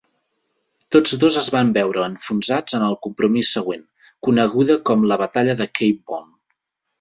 Tots dos es van veure enfonsats en el compromís següent, coneguda com la Batalla de Cape Bon.